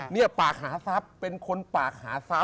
เนี่ยปากหาทรัพย์เป็นคนปากหาทรัพ